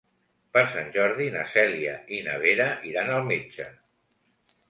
Per Sant Jordi na Cèlia i na Vera iran al metge.